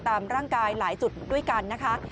ตามร่างกายหลายจุดด้วยกันนะคะ